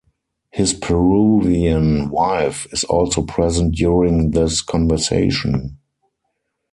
His Peruvian wife is also present during this conversation.